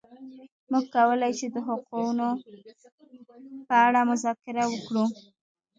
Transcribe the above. موږ کولای شو د حقوقو په اړه مذاکره وکړو.